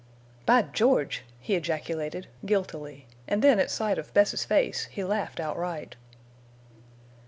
"By George!" he ejaculated, guiltily, and then at sight of Bess's face he laughed outright.